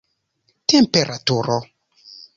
temperaturo